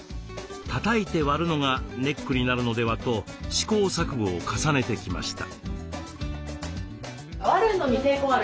「たたいて割る」のがネックになるのではと試行錯誤を重ねてきました。